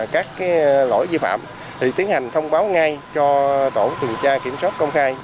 các lỗi vi phạm thì tiến hành thông báo ngay cho tổ tuần tra kiểm soát công khai